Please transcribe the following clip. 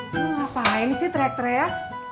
lo ngapain sih traktor ya